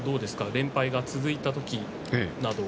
連敗が続いた時などは？